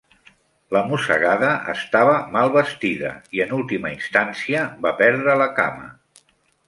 La mossegada estava mal vestida, i en última instància va perdre la cama.